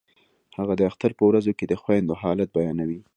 هغه د اختر په ورځو کې د خویندو حالت بیانوي